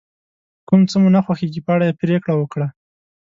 کوم څه مو نه خوښیږي په اړه یې پرېکړه وکړه.